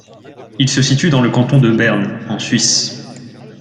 Il se situe dans le canton de Berne en Suisse.